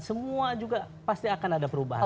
semua juga pasti akan ada perubahan